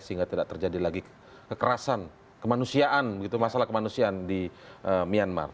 sehingga tidak terjadi lagi kekerasan kemanusiaan masalah kemanusiaan di myanmar